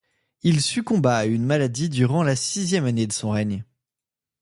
Il succomba à une maladie durant la sixième année de son règne.